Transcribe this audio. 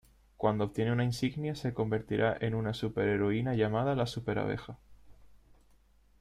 Cuando obtiene una insignia, se convertirá en una superheroína llamada "la súper abeja".